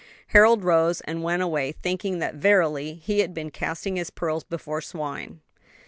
Harold rose and went away, thinking that verily he had been casting his pearls before swine.